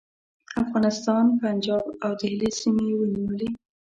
افغانستان، پنجاب او د دهلي سیمې یې ونیولې.